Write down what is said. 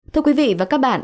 thưa quý vị và các bạn